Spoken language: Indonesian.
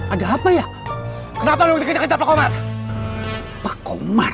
ada apa ya kenapa lo kejar pak komar pak komar